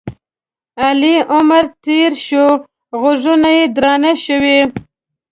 علي عمر تېر شوی؛ غوږونه یې درانه شوي.